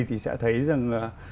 thì sẽ thấy rằng là